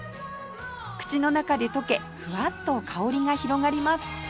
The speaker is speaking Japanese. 口の中で溶けふわっと香りが広がります